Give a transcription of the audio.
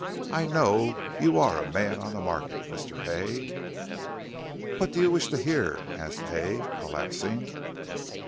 I know you are 'a man on the market,' Mr. Hay." "What do you wish to hear?" asked Hay, collapsing.